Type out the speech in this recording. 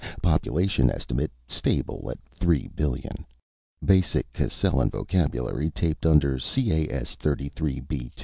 Population estimate: stable at three billion. Basic Cascellan vocabulary taped under Cas33b2.